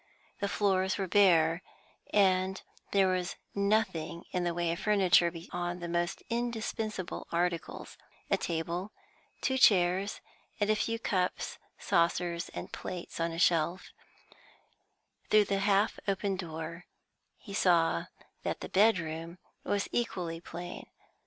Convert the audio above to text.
The floors were bare, and there was nothing in the way of furniture beyond the most indispensable articles: a table, two chairs, and a few cups, saucers, and plates on a shelf; through the half open door, he saw that the bed room was equally plain.